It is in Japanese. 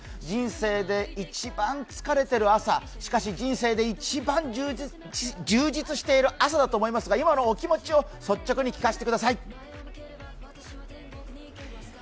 人生で一番疲れている朝、しかし人生で一番充実している朝だと思いますが今のお気持ちを率直に聞かせてください。